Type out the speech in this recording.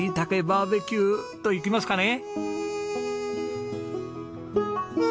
バーベキューといきますかね！